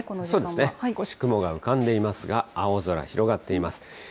そうですね、少し雲が浮かんでいますが、青空広がっています。